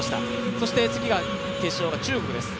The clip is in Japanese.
そして次が決勝が中国です。